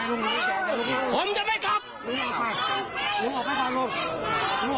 สมัยไม่เรียกหวังผม